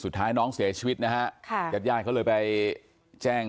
สุดท้ายน้องเสียชีวิตนะครับยาดย่ายเขาเลยไปแจ้ง